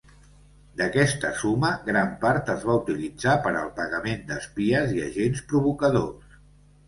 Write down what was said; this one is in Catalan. D'aquesta suma gran part es va utilitzar per al pagament d'espies i agents provocadors.